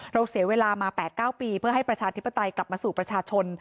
เสียเวลามา๘๙ปีเพื่อให้ประชาธิปไตยกลับมาสู่ประชาชน